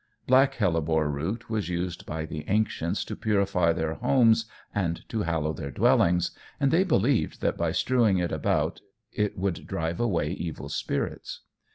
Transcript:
Black hellebore root was used by the ancients to purify their homes and to hallow their dwellings, and they believed that by strewing it about it would drive away evil spirits.